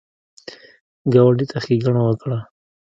ګاونډي ته ښېګڼه وکړه